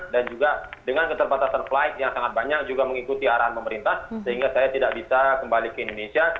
dan juga dengan keterbatasan flight yang sangat banyak juga mengikuti arahan pemerintah sehingga saya tidak bisa kembali ke indonesia